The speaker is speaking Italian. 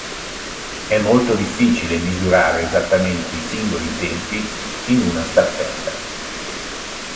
È molto difficile misurare esattamente i singoli tempi in una staffetta.